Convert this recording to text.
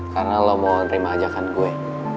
karena lo mau nerima ajakan gue